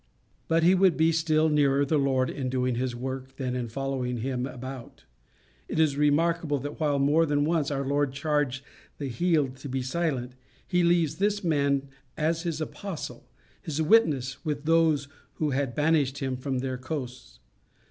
But he would be still nearer the Lord in doing his work than in following him about. It is remarkable that while more than once our Lord charged the healed to be silent, he leaves this man as his apostle his witness with those who had banished him from their coasts.